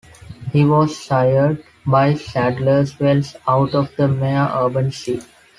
He was sired by Sadler's Wells out of the mare Urban Sea.